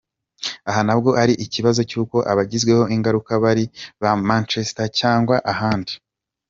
Aha ntabwo ari ikibazo cy’uko abagizweho ingaruka bari i Manchester cyangwa ahandi.